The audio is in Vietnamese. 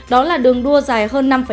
đó là đường đua dài hơn